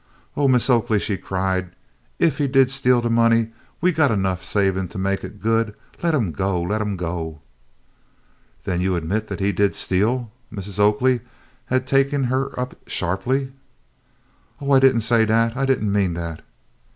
"Oh, Mis' Oakley," she cried, "ef he did steal de money, we 've got enough saved to mek it good. Let him go! let him go!" "Then you admit that he did steal?" Mrs. Oakley had taken her up sharply. "Oh, I did n't say dat; I did n't mean dat."